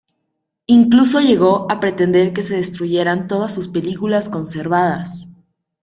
Incluso llegó a pretender que se destruyeran todas sus películas conservadas.